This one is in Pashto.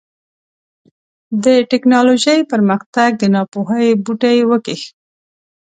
د ټيکنالوژۍ پرمختګ د ناپوهۍ بوټی وکېښ.